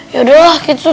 yaudah lah kita tidur